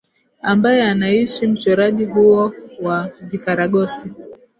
ambaye anaiishi mchoraji huyo wa vikaragosi